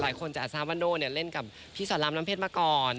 หลายคนจะอาจทราบว่าโน่เล่นกับพี่สอนรามน้ำเพชรมาก่อน